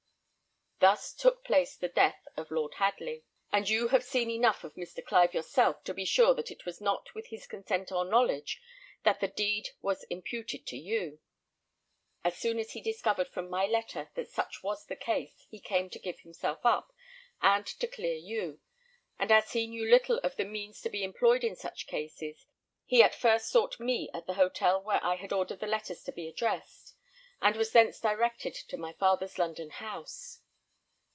Thus took place the death of Lord Hadley; and you have seen enough of Mr. Clive yourself to be sure that it was not with his consent or knowledge that the deed was imputed to you. As soon as he discovered from my letter that such was the case, he came to give himself up and to clear you; and as he knew little of the means to be employed in such cases, he at first sought me at the hotel where I had ordered the letters to be addressed, and was thence directed to my father's London house.